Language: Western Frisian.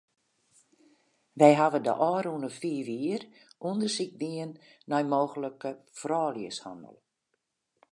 Wy hawwe de ôfrûne fiif jier ûndersyk dien nei mooglike frouljushannel.